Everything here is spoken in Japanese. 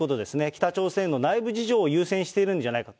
北朝鮮の内部事情を優先しているんじゃないか。